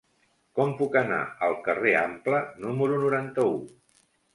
Com puc anar al carrer Ample número noranta-u?